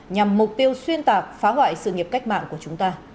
nhằm mục tiêu xuyên tạc phá hoại sự nghiệp cách mạng của chúng ta